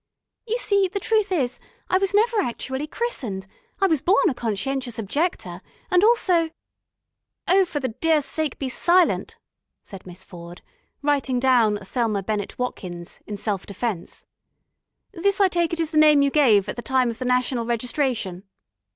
You see, the truth is, I was never actually christened ... I was born a conscientious objector, and also " "Oh, for the Dear Sake, be silent!" said Miss Ford, writing down "Thelma Bennett Watkins," in self defence. "This, I take it, is the name you gave at the time of the National Registration."